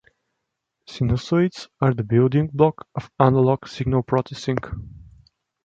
Sinusoids are the building block of analog signal processing.